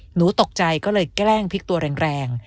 หนูตกใจก็เลยแกล้งพลิกตัวแรง